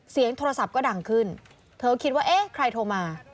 เสียงโทรศัพท์ก็ดังขึ้นเธอคิดว่าเอ๊ะใครโทรมา